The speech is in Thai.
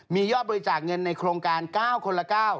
มียอดบริจาคเงินในโครงการ๙คนละ๙